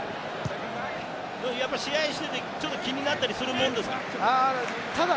試合をしていて、ちょっと気になったりするもんですか？